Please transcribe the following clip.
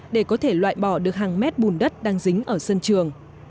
để có thể loại bỏ được hàng mét bùn đất đang dính ở sân trường